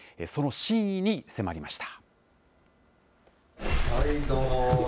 その真意に迫りました。